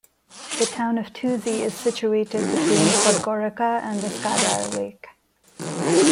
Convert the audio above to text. The town of Tuzi is situated between Podgorica and the Skadar lake.